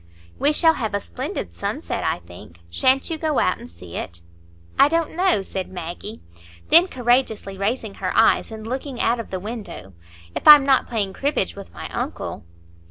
"We shall have a splendid sunset, I think; sha'n't you go out and see it?" "I don't know," said Maggie. Then courageously raising her eyes and looking out of the window, "if I'm not playing cribbage with my uncle."